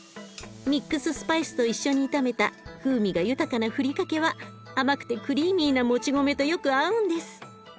ミックススパイスと一緒に炒めた風味が豊かなふりかけは甘くてクリーミーなもち米とよく合うんです。